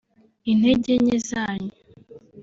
intege nke zanyu